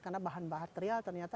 karena bahan bahan terial ternyata